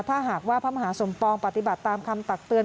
ถ้าหากว่าพระมหาสมปองปฏิบัติตามคำตักเตือน